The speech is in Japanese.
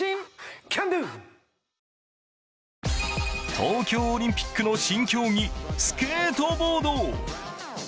東京オリンピックの新競技スケートボード。